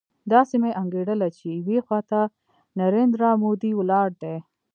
داسې مې انګېرله چې يوې خوا ته نریندرا مودي ولاړ دی.